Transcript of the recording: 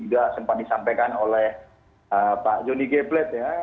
juga sempat disampaikan oleh pak jony geblet ya